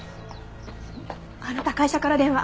あなた会社から電話。